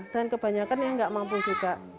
dan kebanyakan yang nggak mampu juga